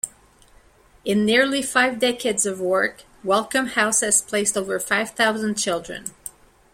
In nearly five decades of work, Welcome House has placed over five thousand children.